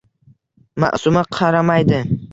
Maʼsuma qaramaydi…